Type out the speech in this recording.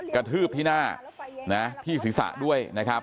กระทืบที่หน้าที่ศีรษะด้วย